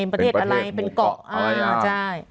เป็นประเทศอะไรเป็นเกาะ